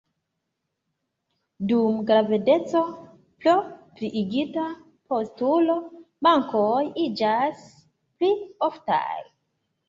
Dum gravedeco, pro pliigita postulo, mankoj iĝas pli oftaj.